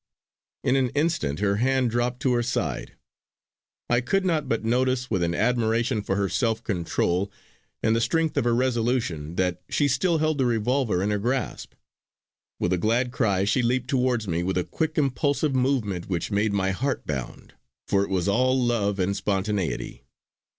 In an instant her hand dropped to her side. I could not but notice with an admiration for her self control and the strength of her resolution, that she still held the revolver in her grasp. With a glad cry she leaped towards me with a quick impulsive movement which made my heart bound, for it was all love and spontaneity.